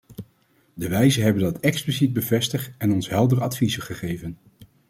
De wijzen hebben dat expliciet bevestigd en ons heldere adviezen gegeven.